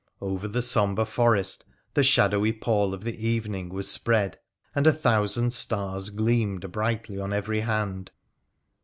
Over the sombre forest the shadowy pall of the evening was spread, and a thousand stars gleamed brightly on every hand.